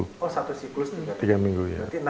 oh satu siklus tiga minggu ya